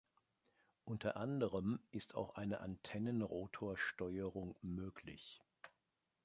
Unter anderem ist auch eine Antennenrotor-Steuerung möglich.